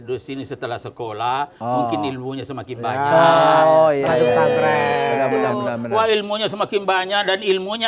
oh ya artre know semakin banyak dan ilmunya